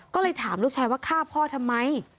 ก็เลยถามลูกชายว่าฆ่าพ่อทำไม